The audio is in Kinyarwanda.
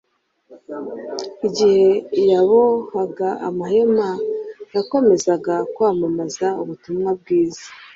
Igihe yabohaga amahema yakomezaga kwamamaza ubutumwa bwiza.